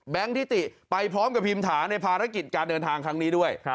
ทิติไปพร้อมกับพิมถาในภารกิจการเดินทางครั้งนี้ด้วย